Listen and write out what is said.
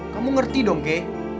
kamu ngerti dong ke